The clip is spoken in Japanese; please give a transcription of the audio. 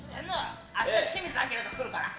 明日、清水アキラと来るから。